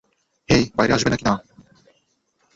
হেই, বাইরে আসবে নাকি না?